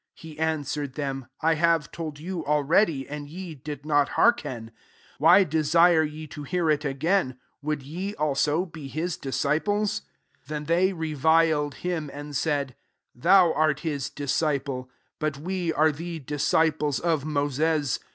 27 He answered them, " I have told you already, and ye did not hearken : why de sire ye to hear it again ? would ye also be his disciples ?" 28 nen they reviled him, and said, " Thou art his disci ple ; but we are the disciples of Moses.